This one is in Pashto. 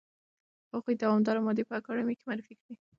هغوی دواړه مادې په اکاډمۍ کې معرفي کړې.